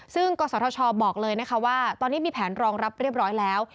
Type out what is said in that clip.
ซึ่งกศธชบอกเลยนะคะว่าตอนนี้มีแผนรองรับเรียบร้อยแล้ว